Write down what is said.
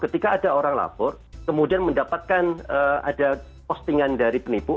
ketika ada orang lapor kemudian mendapatkan ada postingan dari penipu